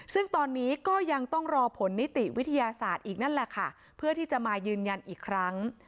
ซึ่งตอนนี้ก็ยังต้องรอผลนิติวิทยาศาสตร์อีกนั่นแหละค่ะเพื่อที่จะมายืนยันอีกครั้ง